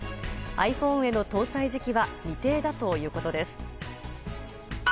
ｉＰｈｏｎｅへの搭載時期は未定だということです。